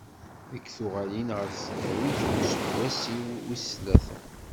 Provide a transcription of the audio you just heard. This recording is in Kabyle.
Deg tuɣalin ɣer tesdawit deg useggas-iw wis tlata.